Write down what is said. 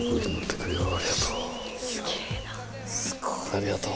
ありがとう。